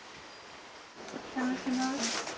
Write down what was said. お邪魔します。